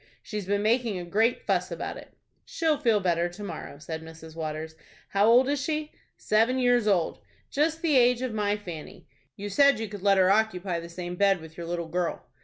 She's been making a great fuss about it." "She'll feel better to morrow," said Mrs. Waters. "How old is she?" "Seven years old." "Just the age of my Fanny." "You said you could let her occupy the same bed with your little girl."